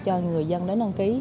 cho người dân đến đăng ký